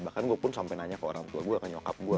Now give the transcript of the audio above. bahkan gue pun sampai nanya ke orang tua gue akan nyokap gue